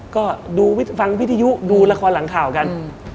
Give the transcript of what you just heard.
ก็ดูฟังวิทยุดูละครหลังข่าวกัน